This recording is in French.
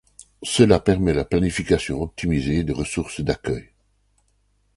Cela permet la planification optimisée des ressources d’accueil.